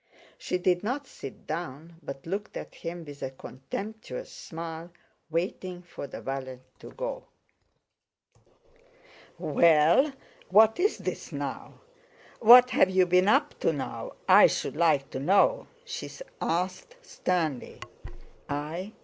She did not sit down but looked at him with a contemptuous smile, waiting for the valet to go. "Well, what's this now? What have you been up to now, I should like to know?" she asked sternly. "I?